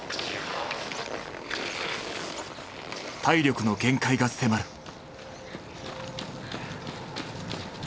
体力の限界が迫る。